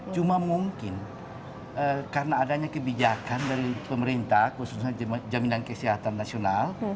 cuma mungkin karena adanya kebijakan dari pemerintah khususnya jaminan kesehatan nasional